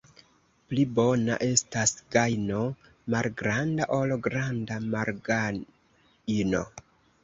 Pli bona estas gajno malgranda, ol granda malgajno.